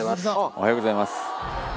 おはようございます。